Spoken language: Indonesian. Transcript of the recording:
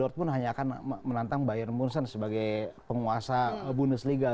dortmund hanya akan menantang bayern munchen sebagai penguasa bundesliga